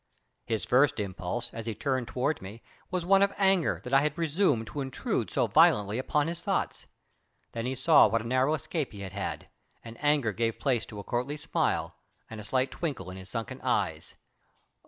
His first impulse, as he turned toward me, was one of anger that I had presumed to intrude so violently upon his thoughts. Then he saw what a narrow escape he had had, and anger gave place to a courtly smile and a slight twinkle in his sunken eyes.